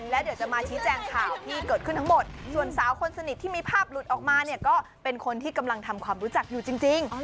และเดี๋ยวจะมาชี้แจงข่าวที่เกิดขึ้นทั้งหมดส่วนสาวคนสนิทที่มีภาพหลุดออกมาเนี่ยก็เป็นคนที่กำลังทำความรู้จักอยู่จริง